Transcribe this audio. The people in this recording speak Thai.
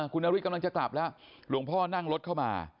คุณนฤทธิกำลังจะกลับแล้วหลวงพ่อนั่งรถเข้ามา